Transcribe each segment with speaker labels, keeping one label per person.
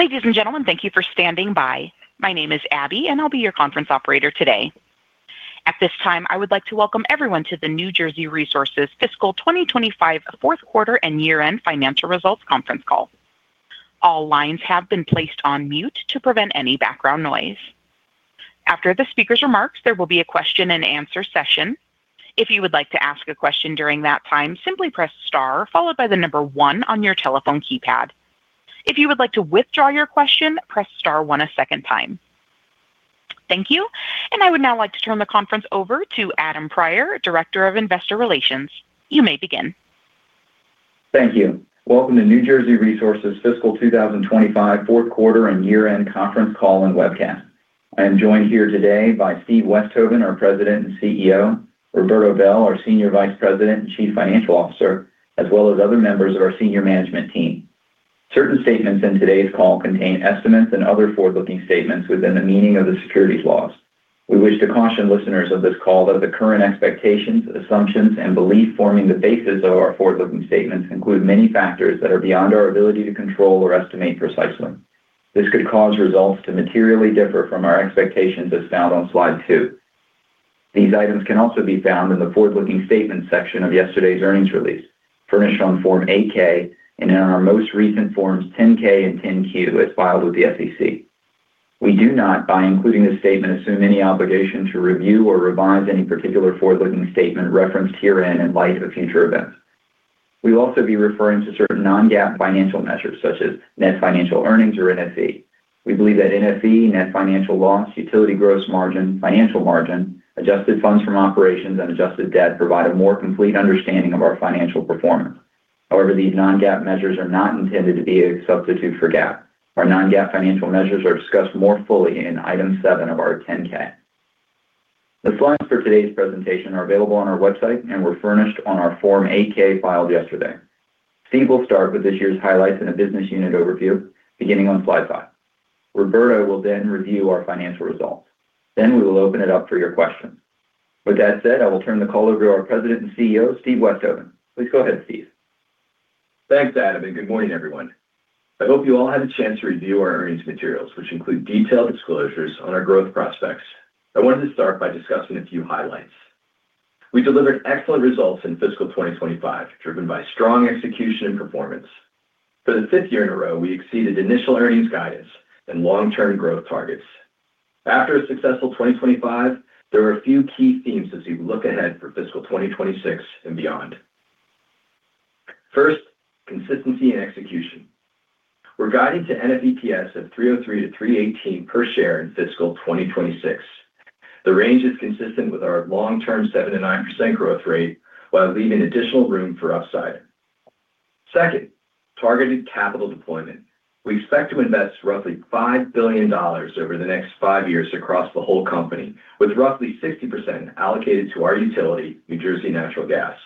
Speaker 1: Ladies and gentlemen, thank you for standing by. My name is Abby, and I'll be your conference operator today. At this time, I would like to welcome everyone to the New Jersey Resources Fiscal 2025 Fourth Quarter and Year-End Financial Results Conference Call. All lines have been placed on mute to prevent any background noise. After the speaker's remarks, there will be a question-and-answer session. If you would like to ask a question during that time, simply press star, followed by the number one on your telephone keypad. If you would like to withdraw your question, press star one a second time. Thank you. I would now like to turn the conference over to Adam Prior, Director of Investor Relations. You may begin.
Speaker 2: Thank you. Welcome to New Jersey Resources Fiscal 2025 Fourth Quarter and Year-End Conference Call and Webcast. I am joined here today by Steve Westhoven, our President and CEO; Roberto Bel, our Senior Vice President and Chief Financial Officer, as well as other members of our Senior Management Team. Certain statements in today's call contain estimates and other forward-looking statements within the meaning of the securities laws. We wish to caution listeners of this call that the current expectations, assumptions, and beliefs forming the basis of our forward-looking statements include many factors that are beyond our ability to control or estimate precisely. This could cause results to materially differ from our expectations as found on slide two. These items can also be found in the forward-looking statements section of yesterday's earnings release, furnished on Form 8-K, and in our most recent Forms 10-K and 10-Q as filed with the SEC. We do not, by including this statement, assume any obligation to review or revise any particular forward-looking statement referenced herein in light of future events. We will also be referring to certain non-GAAP financial measures, such as net financial earnings or NFE. We believe that NFE, net financial loss, utility gross margin, financial margin, adjusted funds from operations, and adjusted debt provide a more complete understanding of our financial performance. However, these non-GAAP measures are not intended to be a substitute for GAAP. Our non-GAAP financial measures are discussed more fully in item seven of our 10-K. The slides for today's presentation are available on our website and were furnished on our Form 8-K filed yesterday. Steve will start with this year's highlights and a business unit overview, beginning on slide five. Roberto will then review our financial results. We will open it up for your questions. With that said, I will turn the call over to our President and CEO, Steve Westhoven. Please go ahead, Steve.
Speaker 3: Thanks, Adam, and good morning, everyone. I hope you all had a chance to review our earnings materials, which include detailed disclosures on our growth prospects. I wanted to start by discussing a few highlights. We delivered excellent results in fiscal 2025, driven by strong execution and performance. For the fifth year in a row, we exceeded initial earnings guidance and long-term growth targets. After a successful 2025, there are a few key themes as we look ahead for fiscal 2026 and beyond. First, consistency and execution. We're guiding to NFEPS of $3.03-$3.18 per share in fiscal 2026. The range is consistent with our long-term 7%-9% growth rate, while leaving additional room for upside. Second, targeted capital deployment. We expect to invest roughly $5 billion over the next five years across the whole company, with roughly 60% allocated to our utility, New Jersey Natural Gas.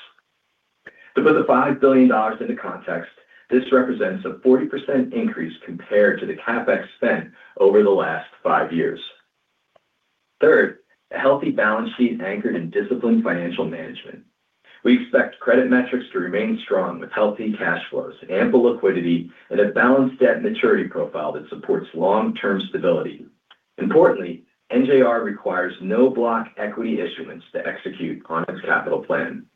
Speaker 3: To put the $5 billion into context, this represents a 40% increase compared to the CapEx spent over the last five years. Third, a healthy balance sheet anchored in disciplined financial management. We expect credit metrics to remain strong with healthy cash flows, ample liquidity, and a balanced debt maturity profile that supports long-term stability. Importantly, NJR requires no block equity issuance to execute on its capital plan.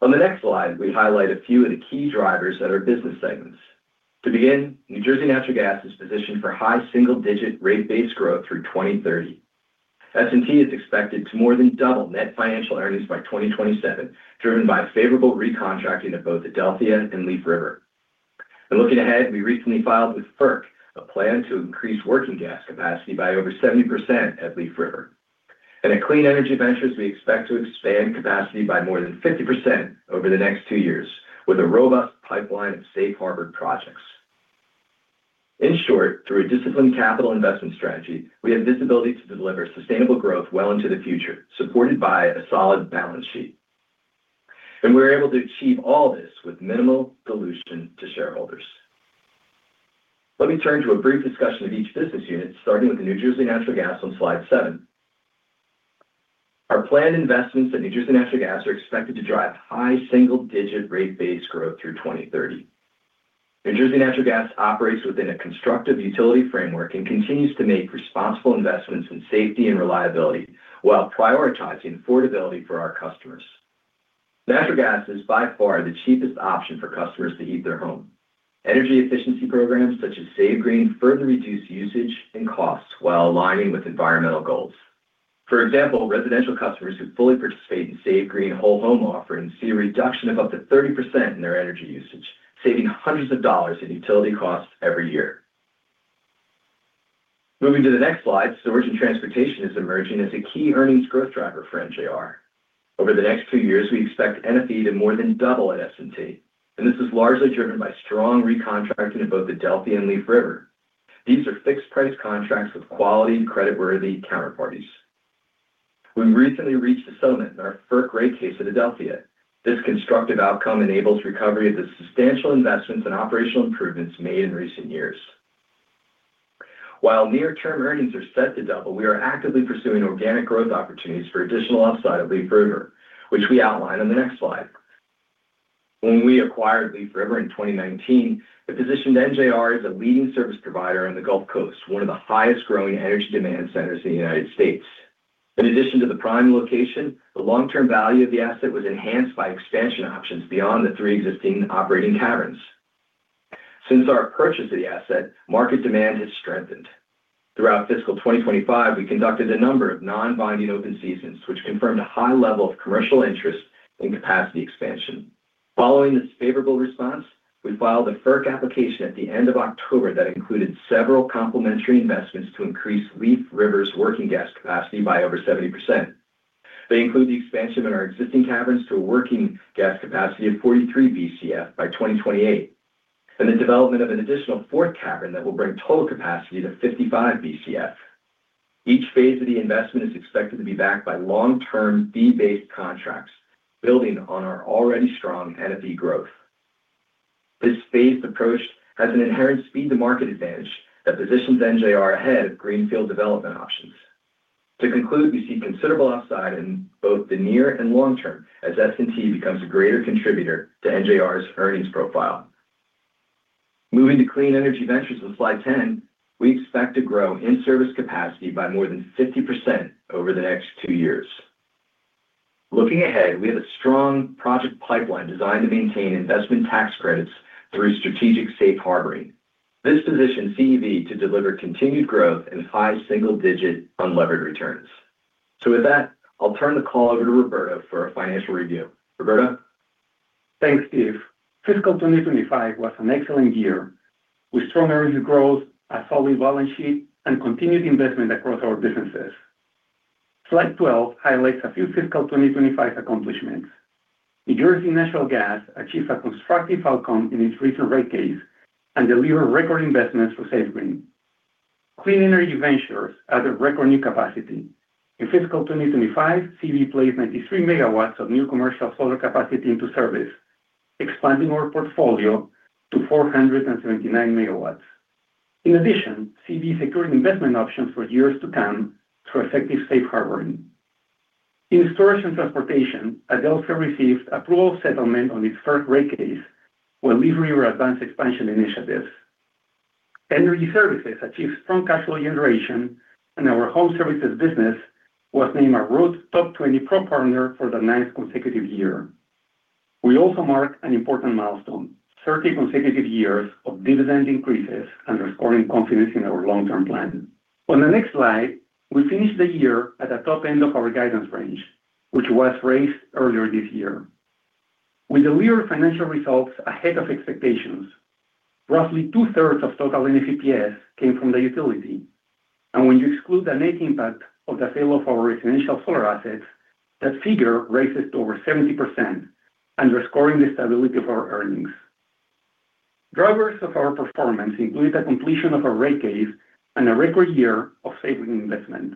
Speaker 3: On the next slide, we highlight a few of the key drivers that are business segments. To begin, New Jersey Natural Gas is positioned for high single-digit rate-based growth through 2030. S&T is expected to more than double net financial earnings by 2027, driven by favorable recontracting of both Adelphia and Leaf River. Looking ahead, we recently filed with FERC a plan to increase working gas capacity by over 70% at Leaf River. At Clean Energy Ventures, we expect to expand capacity by more than 50% over the next two years, with a robust pipeline of Safe Harbor projects. In short, through a disciplined capital investment strategy, we have visibility to deliver sustainable growth well into the future, supported by a solid balance sheet. We are able to achieve all this with minimal dilution to shareholders. Let me turn to a brief discussion of each business unit, starting with New Jersey Natural Gas on slide seven. Our planned investments at New Jersey Natural Gas are expected to drive high single-digit rate-based growth through 2030. New Jersey Natural Gas operates within a constructive utility framework and continues to make responsible investments in safety and reliability while prioritizing affordability for our customers. Natural gas is by far the cheapest option for customers to heat their home. Energy efficiency programs such as Save Green further reduce usage and costs while aligning with environmental goals. For example, residential customers who fully participate in Save Green Whole Home offerings see a reduction of up to 30% in their energy usage, saving hundreds of dollars in utility costs every year. Moving to the next slide, Storage and Transportation is emerging as a key earnings growth driver for New Jersey Resources. Over the next two years, we expect NFE to more than double at S&T, and this is largely driven by strong recontracting of both Adelphia and Leaf River. These are fixed-price contracts with quality, credit-worthy counterparties. We recently reached a settlement in our Federal Energy Regulatory Commission rate case at Adelphia. This constructive outcome enables recovery of the substantial investments and operational improvements made in recent years. While near-term earnings are set to double, we are actively pursuing organic growth opportunities for additional upside at Leaf River, which we outline on the next slide. When we acquired Leaf River in 2019, that positioned NJR as a leading service provider on the Gulf Coast, one of the highest-growing energy demand centers in the United States. In addition to the prime location, the long-term value of the asset was enhanced by expansion options beyond the three existing operating caverns. Since our purchase of the asset, market demand has strengthened. Throughout fiscal 2025, we conducted a number of non-binding open seasons, which confirmed a high level of commercial interest in capacity expansion. Following this favorable response, we filed a FERC application at the end of October that included several complementary investments to increase Leaf River's working gas capacity by over 70%. They include the expansion of our existing caverns to a working gas capacity of 43 BCF by 2028, and the development of an additional fourth cavern that will bring total capacity to 55 BCF. Each phase of the investment is expected to be backed by long-term fee-based contracts, building on our already strong NFE growth. This phased approach has an inherent speed-to-market advantage that positions NJR ahead of greenfield development options. To conclude, we see considerable upside in both the near and long term as S&T becomes a greater contributor to NJR's earnings profile. Moving to Clean Energy Ventures on slide 10, we expect to grow in-service capacity by more than 50% over the next two years. Looking ahead, we have a strong project pipeline designed to maintain investment tax credits through strategic safe harboring. This positions CEV to deliver continued growth and high single-digit unlevered returns. With that, I'll turn the call over to Roberto for a financial review. Roberto.
Speaker 4: Thanks, Steve. Fiscal 2025 was an excellent year, with strong earnings growth, a solid balance sheet, and continued investment across our businesses. Slide 12 highlights a few Fiscal 2025 accomplishments. New Jersey Natural Gas achieved a constructive outcome in its recent rate case and delivered record investments for Save Green. Clean Energy Ventures added record new capacity. In Fiscal 2025, CEV placed 93 megawatts of new commercial solar capacity into service, expanding our portfolio to 479 megawatts. In addition, CEV secured investment options for years to come through effective safe harboring. In Storage and Transportation, Adelphia received approval of settlement on its first rate case while Leaf River advanced expansion initiatives. Energy Services achieved strong cash flow generation, and our Home Services business was named our growth top 20 Pro Partner for the ninth consecutive year. We also marked an important milestone: 30 consecutive years of dividend increases, underscoring confidence in our long-term plan. On the next slide, we finished the year at the top end of our guidance range, which was raised earlier this year. We delivered financial results ahead of expectations. Roughly two-thirds of total NFEPS came from the utility. When you exclude the net impact of the sale of our residential solar assets, that figure raises to over 70%, underscoring the stability of our earnings. Drivers of our performance included the completion of our rate case and a record year of Save Green investment.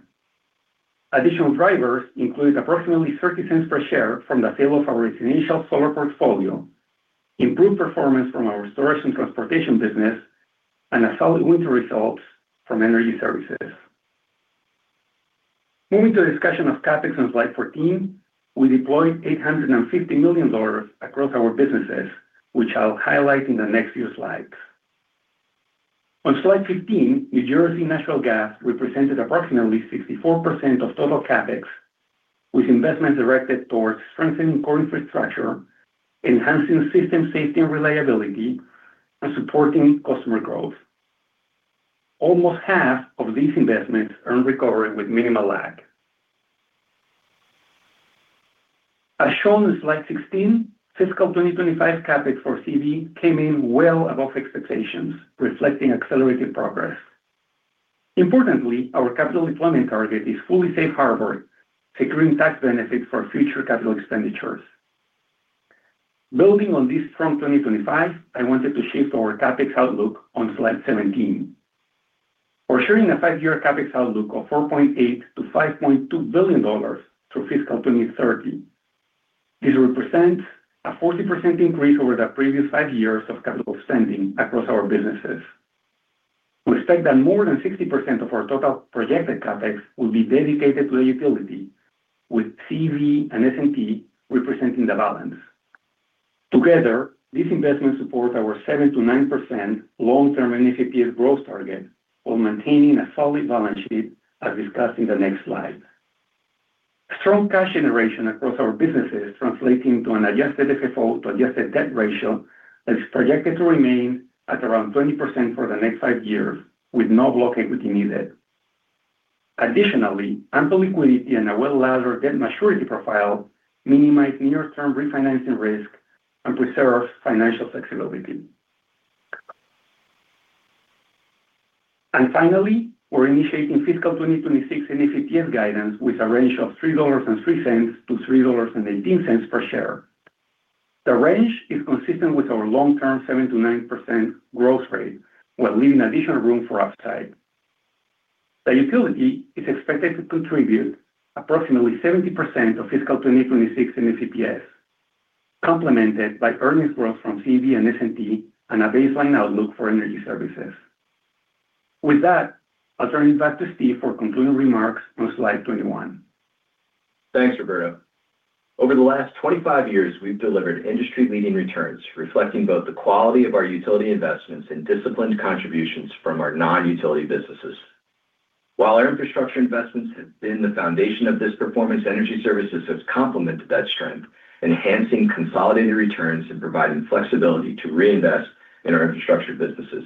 Speaker 4: Additional drivers included approximately $0.30 per share from the sale of our residential solar portfolio, improved performance from our Storage and Transportation business, and solid winter results from Energy Services. Moving to the discussion of CapEx on slide 14, we deployed $850 million across our businesses, which I'll highlight in the next few slides. On slide 15, New Jersey Natural Gas represented approximately 64% of total CapEx, with investments directed towards strengthening core infrastructure, enhancing system safety and reliability, and supporting customer growth. Almost half of these investments earned recovery with minimal lag. As shown in slide 16, fiscal 2025 CapEx for CEV came in well above expectations, reflecting accelerated progress. Importantly, our capital deployment target is fully safe harbor, securing tax benefits for future capital expenditures. Building on this strong 2025, I wanted to shift our CapEx outlook on slide 17. We're sharing a five-year CapEx outlook of $4.8 billion-$5.2 billion through fiscal 2030. This represents a 40% increase over the previous five years of capital spending across our businesses. We expect that more than 60% of our total projected CapEx will be dedicated to the utility, with CEV and S&T representing the balance. Together, these investments support our 7%-9% long-term NFEPS growth target while maintaining a solid balance sheet, as discussed in the next slide. Strong cash generation across our businesses translates into an adjusted FFO to adjusted debt ratio that is projected to remain at around 20% for the next five years, with no block equity needed. Additionally, ample liquidity and a well-laddered debt maturity profile minimize near-term refinancing risk and preserve financial flexibility. Finally, we're initiating fiscal 2026 NFEPS guidance with a range of $3.03-$3.18 per share. The range is consistent with our long-term 7%-9% growth rate, while leaving additional room for upside. The utility is expected to contribute approximately 70% of fiscal 2026 NFEPS, complemented by earnings growth from CEV and S&T and a baseline outlook for energy services. With that, I'll turn it back to Steve for concluding remarks on slide 21.
Speaker 3: Thanks, Roberto. Over the last 25 years, we've delivered industry-leading returns, reflecting both the quality of our utility investments and disciplined contributions from our non-utility businesses. While our infrastructure investments have been the foundation of this performance, energy services have complemented that strength, enhancing consolidated returns and providing flexibility to reinvest in our infrastructure businesses.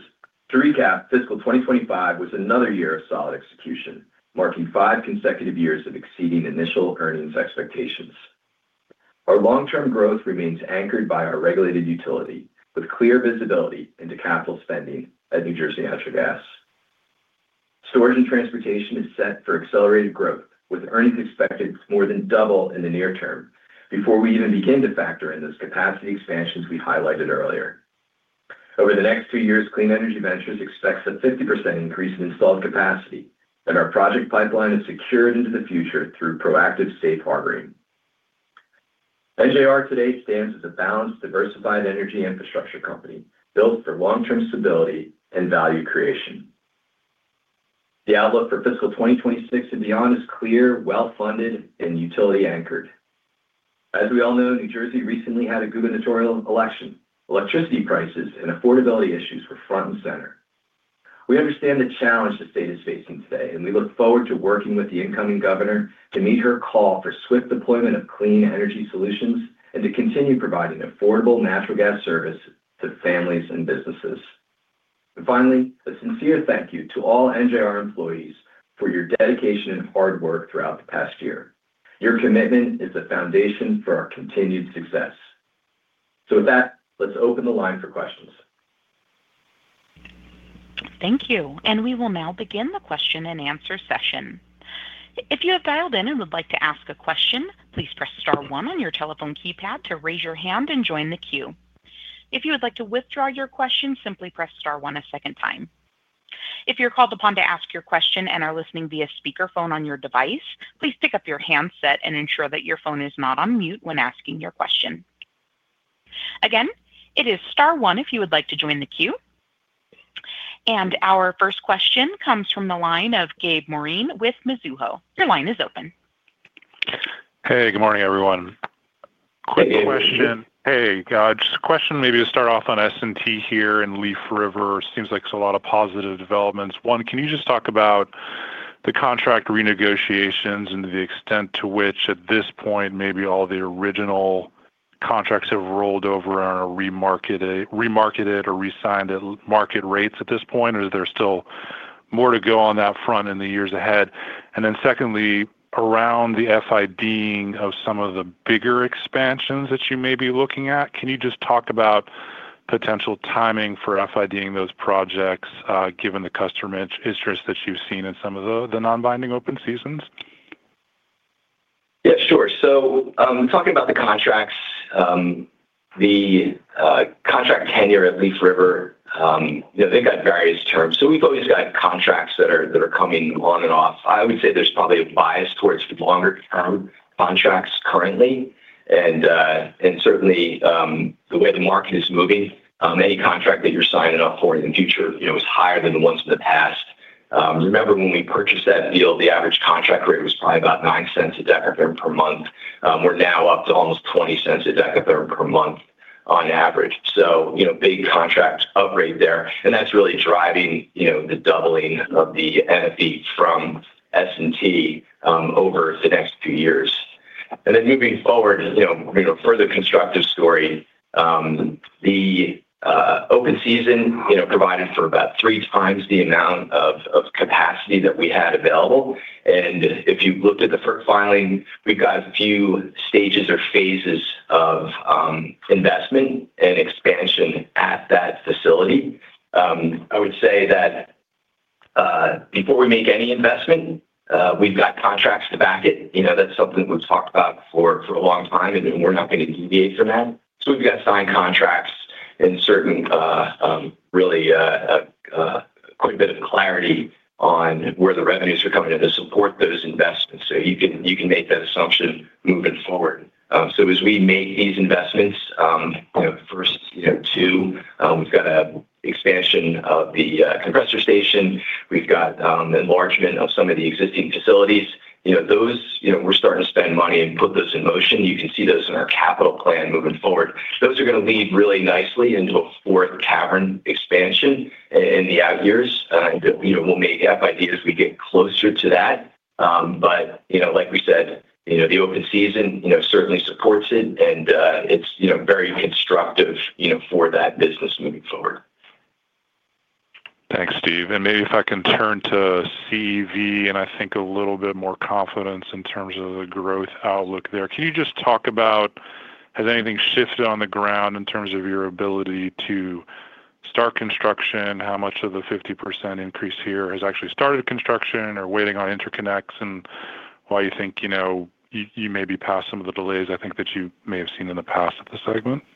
Speaker 3: To recap, fiscal 2025 was another year of solid execution, marking five consecutive years of exceeding initial earnings expectations. Our long-term growth remains anchored by our regulated utility, with clear visibility into capital spending at New Jersey Natural Gas. Storage and transportation is set for accelerated growth, with earnings expected to more than double in the near term before we even begin to factor in those capacity expansions we highlighted earlier. Over the next two years, Clean Energy Ventures expects a 50% increase in installed capacity, and our project pipeline is secured into the future through proactive safe harboring. NJR today stands as a balanced, diversified energy infrastructure company built for long-term stability and value creation. The outlook for fiscal 2026 and beyond is clear, well-funded, and utility-anchored. As we all know, New Jersey recently had a gubernatorial election. Electricity prices and affordability issues were front and center. We understand the challenge the state is facing today, and we look forward to working with the incoming governor to meet her call for swift deployment of clean energy solutions and to continue providing affordable natural gas service to families and businesses. A sincere thank you to all NJR employees for your dedication and hard work throughout the past year. Your commitment is the foundation for our continued success. With that, let's open the line for questions.
Speaker 1: Thank you. We will now begin the question and answer session. If you have dialed in and would like to ask a question, please press star one on your telephone keypad to raise your hand and join the queue. If you would like to withdraw your question, simply press star one a second time. If you're called upon to ask your question and are listening via speakerphone on your device, please pick up your handset and ensure that your phone is not on mute when asking your question. Again, it is star one if you would like to join the queue. Our first question comes from the line of Gabe Maureen with Mizuho. Your line is open.
Speaker 5: Hey, good morning, everyone. Quick question. Hey, just a question, maybe to start off on S&T here and Leaf River. Seems like there's a lot of positive developments. One, can you just talk about the contract renegotiations and the extent to which, at this point, maybe all the original contracts have rolled over on a remarketed or re-signed market rates at this point? Is there still more to go on that front in the years ahead? Secondly, around the FIDing of some of the bigger expansions that you may be looking at, can you just talk about potential timing for FIDing those projects, given the customer interest that you've seen in some of the non-binding open seasons?
Speaker 3: Yeah, sure. Talking about the contracts, the contract tenure at Leaf River, they've got various terms. We've always got contracts that are coming on and off. I would say there's probably a bias towards longer-term contracts currently. Certainly, the way the market is moving, any contract that you're signing up for in the future is higher than the ones in the past. Remember, when we purchased that deal, the average contract rate was probably about 9 cents a decatherm per month. We're now up to almost 20 cents a decatherm per month on average. Big contract upgrade there. That's really driving the doubling of the NFE from S&T over the next few years. Moving forward, a further constructive story, the open season provided for about three times the amount of capacity that we had available. If you looked at the filing, we've got a few stages or phases of investment and expansion at that facility. I would say that before we make any investment, we've got contracts to back it. That's something that we've talked about for a long time, and we're not going to deviate from that. We've got signed contracts and certainly really quite a bit of clarity on where the revenues are coming in to support those investments. You can make that assumption moving forward. As we make these investments, first, two, we've got an expansion of the compressor station. We've got enlargement of some of the existing facilities. Those, we're starting to spend money and put those in motion. You can see those in our capital plan moving forward. Those are going to lead really nicely into a fourth cavern expansion in the out years. We'll make FIDs as we get closer to that. Like we said, the open season certainly supports it, and it's very constructive for that business moving forward.
Speaker 5: Thanks, Steve. Maybe if I can turn to CEV and I think a little bit more confidence in terms of the growth outlook there. Can you just talk about, has anything shifted on the ground in terms of your ability to start construction? How much of the 50% increase here has actually started construction or waiting on interconnects and why you think you may be past some of the delays I think that you may have seen in the past of the segment?
Speaker 3: Yeah,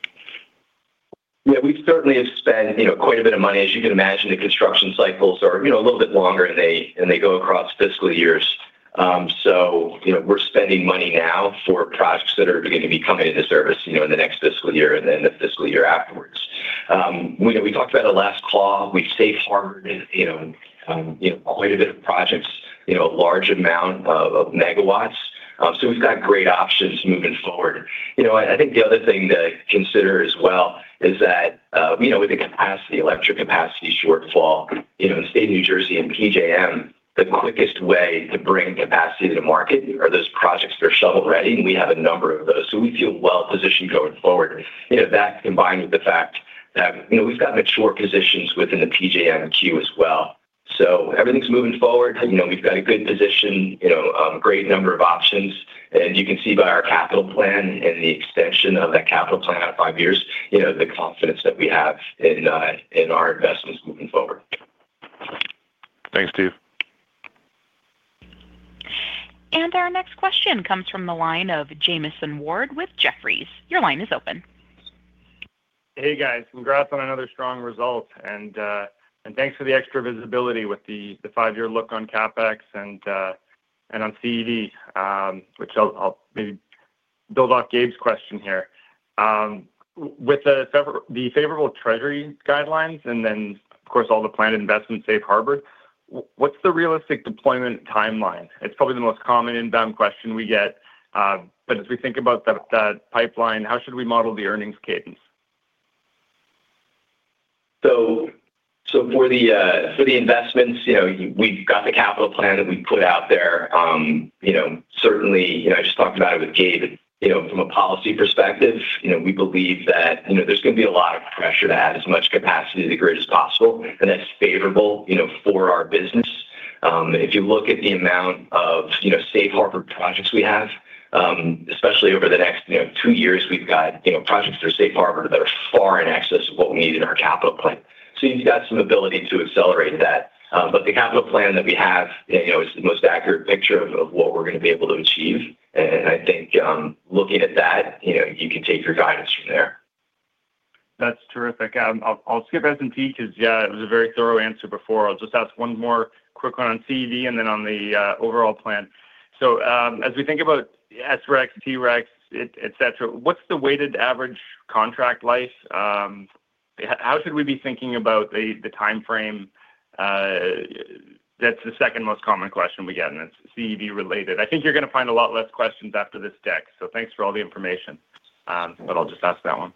Speaker 3: we certainly have spent quite a bit of money. As you can imagine, the construction cycles are a little bit longer than they go across fiscal years. We are spending money now for projects that are going to be coming into service in the next fiscal year and then the fiscal year afterwards. We talked about it last call. We have safe harbored quite a bit of projects, a large amount of megawatts. We have great options moving forward. I think the other thing to consider as well is that with the electric capacity shortfall, the state of New Jersey and PJM, the quickest way to bring capacity to the market are those projects that are shovel-ready. We have a number of those. We feel well-positioned going forward. That combined with the fact that we have mature positions within the PJM queue as well. Everything's moving forward. We've got a good position, a great number of options. You can see by our capital plan and the extension of that capital plan out five years, the confidence that we have in our investments moving forward.
Speaker 5: Thanks, Steve.
Speaker 1: Our next question comes from the line of Jamieson Ward with Jefferies. Your line is open.
Speaker 6: Hey, guys. Congrats on another strong result. Thanks for the extra visibility with the five-year look on CapEx and on CEV, which I'll maybe build off Gabe's question here. With the favorable Treasury guidelines and then, of course, all the planned investment safe harbored, what's the realistic deployment timeline? It's probably the most common inbound question we get. As we think about that pipeline, how should we model the earnings cadence?
Speaker 3: For the investments, we've got the capital plan that we put out there. Certainly, I just talked about it with Gabe. From a policy perspective, we believe that there's going to be a lot of pressure to add as much capacity to the grid as possible. That's favorable for our business. If you look at the amount of safe harbor projects we have, especially over the next two years, we've got projects that are safe harbor that are far in excess of what we need in our capital plan. You've got some ability to accelerate that. The capital plan that we have is the most accurate picture of what we're going to be able to achieve. I think looking at that, you can take your guidance from there.
Speaker 6: That's terrific. I'll skip S&T because, yeah, it was a very thorough answer before. I'll just ask one more quick one on CEV and then on the overall plan. As we think about SREC, TREC, etc., what's the weighted average contract life? How should we be thinking about the timeframe? That's the second most common question we get, and it's CEV-related. I think you're going to find a lot less questions after this deck. Thanks for all the information, but I'll just ask that one.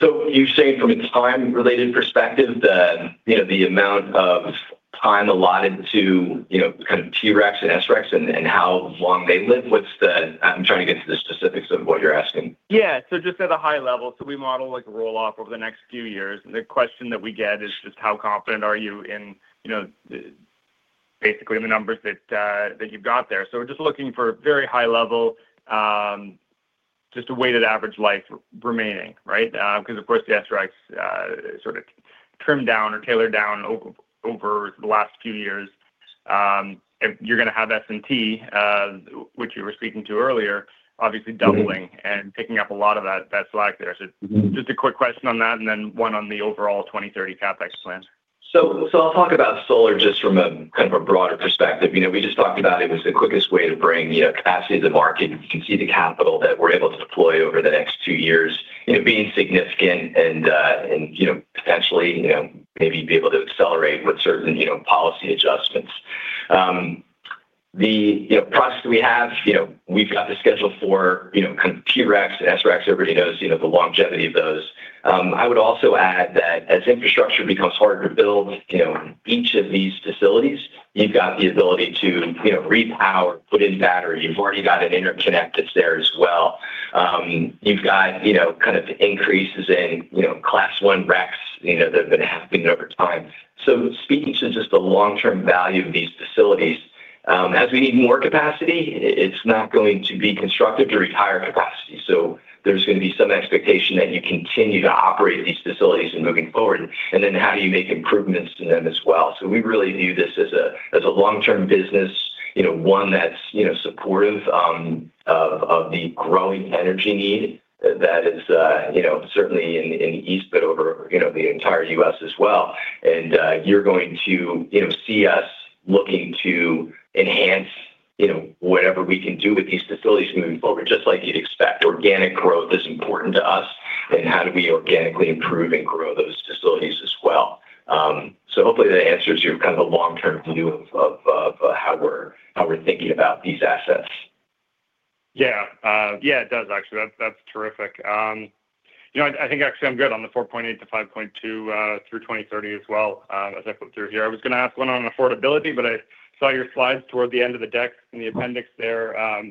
Speaker 3: You're saying from a time-related perspective, the amount of time allotted to kind of TREC and SREC and how long they live? I'm trying to get to the specifics of what you're asking.
Speaker 6: Yeah. Just at a high level, we model a rolloff over the next few years. The question that we get is just how confident are you in basically the numbers that you've got there? We are just looking for very high-level, just a weighted average life remaining, right? Because, of course, the SREC sort of trimmed down or tailored down over the last few years. You are going to have S&T, which you were speaking to earlier, obviously doubling and picking up a lot of that slack there. Just a quick question on that and then one on the overall 2030 CapEx plan.
Speaker 3: I'll talk about solar just from a kind of a broader perspective. We just talked about it was the quickest way to bring capacity to the market. You can see the capital that we're able to deploy over the next two years being significant and potentially maybe be able to accelerate with certain policy adjustments. The projects that we have, we've got the schedule for kind of TRECs and SRECs. Everybody knows the longevity of those. I would also add that as infrastructure becomes harder to build, each of these facilities, you've got the ability to repower, put in battery. You've already got an interconnect that's there as well. You've got kind of increases in class one RECs that have been happening over time. Speaking to just the long-term value of these facilities, as we need more capacity, it's not going to be constructive to retire capacity. There's going to be some expectation that you continue to operate these facilities moving forward. How do you make improvements in them as well? We really view this as a long-term business, one that's supportive of the growing energy need that is certainly in the East, but over the entire US as well. You're going to see us looking to enhance whatever we can do with these facilities moving forward, just like you'd expect. Organic growth is important to us. How do we organically improve and grow those facilities as well? Hopefully that answers your kind of a long-term view of how we're thinking about these assets.
Speaker 6: Yeah. Yeah, it does, actually. That's terrific. I think actually I'm good on the 4.8-5.2 through 2030 as well as I flip through here. I was going to ask one on affordability, but I saw your slides toward the end of the deck in the appendix there. I'll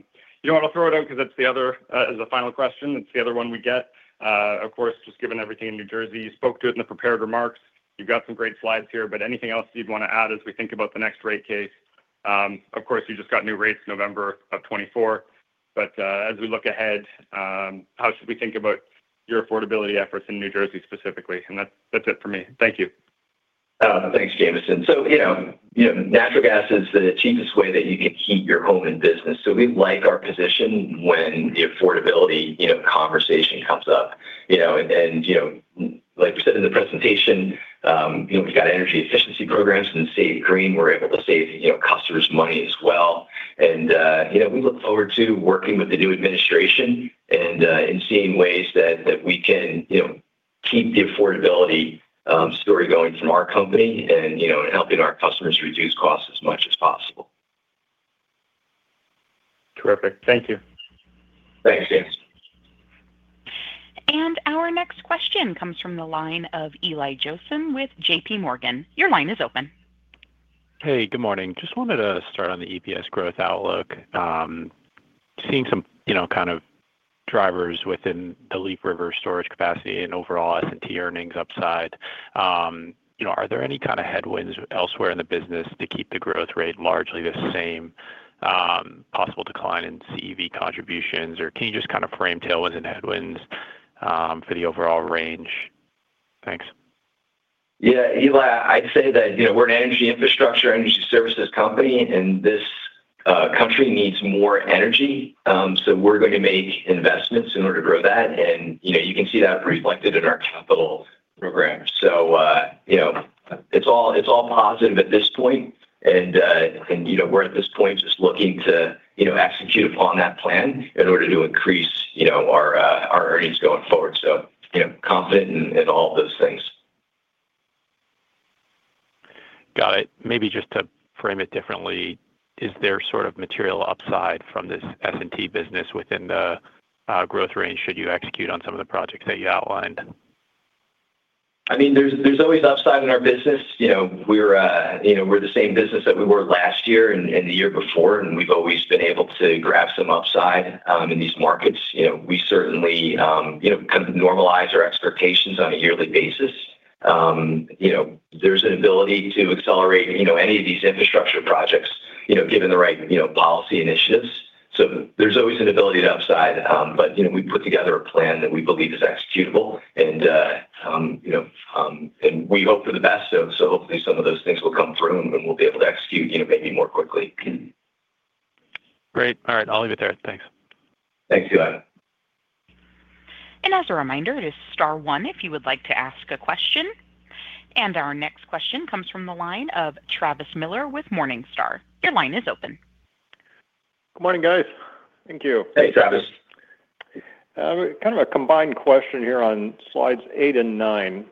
Speaker 6: throw it out because that's the other as a final question. It's the other one we get. Of course, just given everything in New Jersey, you spoke to it in the prepared remarks. You've got some great slides here. Anything else you'd want to add as we think about the next rate case? Of course, you just got new rates November of 2024. As we look ahead, how should we think about your affordability efforts in New Jersey specifically? That's it for me. Thank you.
Speaker 3: Thanks, Jamieson. Natural gas is the cheapest way that you can keep your home in business. We like our position when the affordability conversation comes up. Like we said in the presentation, we've got energy efficiency programs and Save Green. We're able to save customers' money as well. We look forward to working with the new administration and seeing ways that we can keep the affordability story going from our company and helping our customers reduce costs as much as possible.
Speaker 6: Terrific. Thank you.
Speaker 3: Thanks, James.
Speaker 1: Our next question comes from the line of Eli Josen with JPMorgan. Your line is open.
Speaker 7: Hey, good morning. Just wanted to start on the EPS growth outlook. Seeing some kind of drivers within the Leaf River storage capacity and overall S&T earnings upside. Are there any kind of headwinds elsewhere in the business to keep the growth rate largely the same, possible decline in CEV contributions? Or can you just kind of frame tailwinds and headwinds for the overall range? Thanks.
Speaker 3: Yeah. Eli, I'd say that we're an energy infrastructure, energy services company, and this country needs more energy. We're going to make investments in order to grow that. You can see that reflected in our capital program. It's all positive at this point. We're at this point just looking to execute upon that plan in order to increase our earnings going forward. Confident in all of those things.
Speaker 7: Got it. Maybe just to frame it differently, is there sort of material upside from this S&T business within the growth range should you execute on some of the projects that you outlined?
Speaker 3: I mean, there's always upside in our business. We're the same business that we were last year and the year before. We've always been able to grab some upside in these markets. We certainly kind of normalize our expectations on a yearly basis. There's an ability to accelerate any of these infrastructure projects given the right policy initiatives. There's always an ability to upside. We put together a plan that we believe is executable. We hope for the best. Hopefully some of those things will come through and we'll be able to execute maybe more quickly.
Speaker 7: Great. All right. I'll leave it there. Thanks.
Speaker 3: Thanks, Eli.
Speaker 1: As a reminder, it is Star One if you would like to ask a question. Our next question comes from the line of Travis Miller with Morningstar. Your line is open.
Speaker 8: Good morning, guys. Thank you.
Speaker 3: Hey, Travis.
Speaker 8: Kind of a combined question here on slides eight and nine.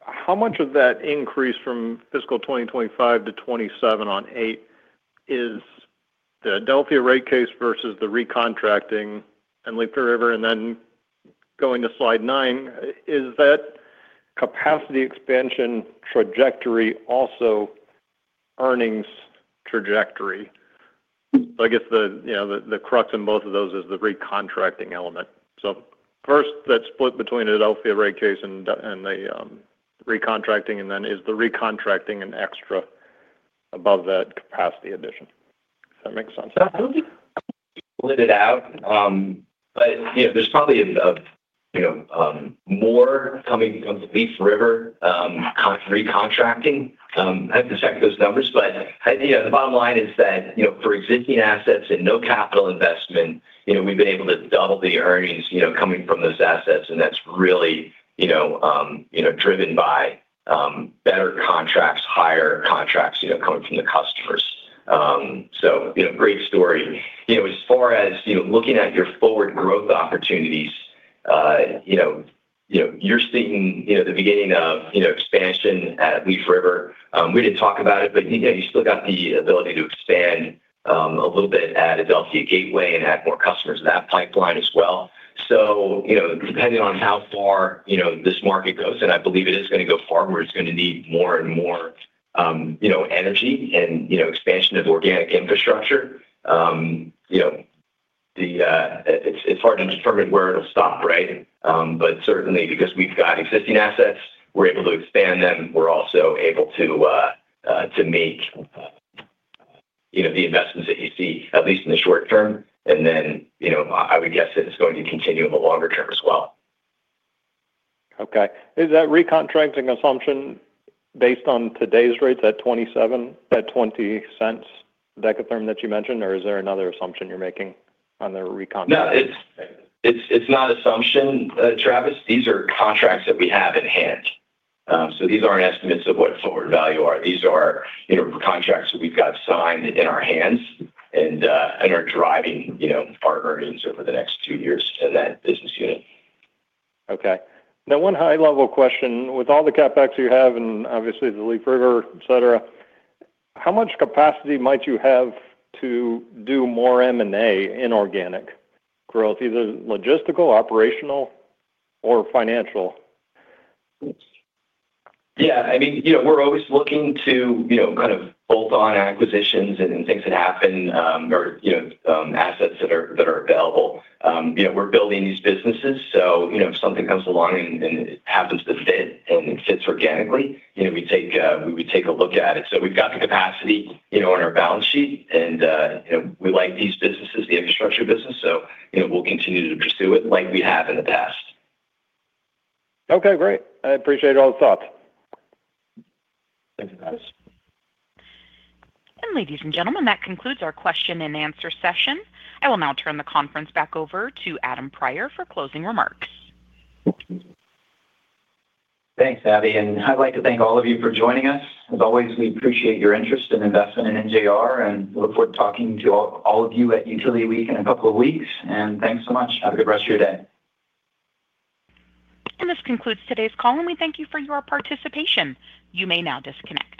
Speaker 8: How much of that increase from fiscal 2025 to 2027 on eight is the Adelphia rate case versus the recontracting and Leaf River, and then going to slide nine, is that capacity expansion trajectory also earnings trajectory? I guess the crux in both of those is the recontracting element. First, that split between Adelphia rate case and the recontracting, and then is the recontracting an extra above that capacity addition? Does that make sense?
Speaker 3: I don't think you split it out. But there's probably more coming from Leaf River recontracting. I have to check those numbers. But the bottom line is that for existing assets and no capital investment, we've been able to double the earnings coming from those assets. And that's really driven by better contracts, higher contracts coming from the customers. So great story. As far as looking at your forward growth opportunities, you're seeing the beginning of expansion at Leaf River. We didn't talk about it, but you still got the ability to expand a little bit at Adelphia Gateway and add more customers in that pipeline as well. So depending on how far this market goes, and I believe it is going to go far, we're just going to need more and more energy and expansion of organic infrastructure. It's hard to determine where it'll stop, right? Certainly, because we've got existing assets, we're able to expand them. We're also able to make the investments that you see, at least in the short term. I would guess that it's going to continue in the longer term as well.
Speaker 8: Okay. Is that recontracting assumption based on today's rates at $0.27 at 20 cents, that term that you mentioned? Or is there another assumption you're making on the recontracting?
Speaker 3: No, it's not an assumption, Travis. These are contracts that we have in hand. These aren't estimates of what forward value are. These are contracts that we've got signed in our hands and are driving our earnings over the next two years in that business unit.
Speaker 8: Okay. Now, one high-level question. With all the CapEx you have and obviously the Leaf River, etc., how much capacity might you have to do more M&A in organic growth, either logistical, operational, or financial?
Speaker 3: Yeah. I mean, we're always looking to kind of bolt on acquisitions and things that happen or assets that are available. We're building these businesses. If something comes along and it happens to fit and it fits organically, we would take a look at it. We've got the capacity on our balance sheet. We like these businesses, the infrastructure business. We'll continue to pursue it like we have in the past.
Speaker 8: Okay. Great. I appreciate all the thoughts.
Speaker 3: Thanks, Travis.
Speaker 1: Ladies and gentlemen, that concludes our question and answer session. I will now turn the conference back over to Adam Prior for closing remarks.
Speaker 2: Thanks, Abby. I would like to thank all of you for joining us. As always, we appreciate your interest and investment in NJR and look forward to talking to all of you at Utility Week in a couple of weeks. Thanks so much. Have a good rest of your day.
Speaker 1: This concludes today's call, and we thank you for your participation. You may now disconnect.